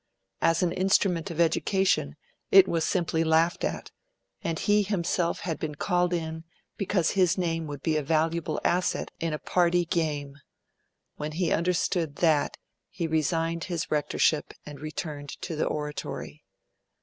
As an instrument of education, it was simply laughed at; and he himself had been called in because his name would be a valuable asset in a party game. When he understood that, he resigned his rectorship and returned to the Oratory.